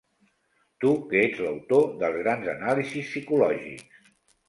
Tu que ets l'autor dels grans anàlisis psicològics